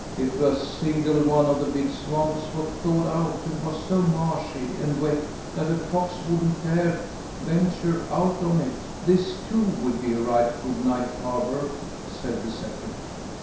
"If a single one of the big swamps was thawed out, and was so marshy and wet that a fox wouldn't dare venture out on it, this, too, would be a right good night harbour," said the second.